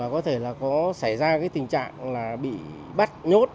có thể có xảy ra tình trạng bị bắt nhốt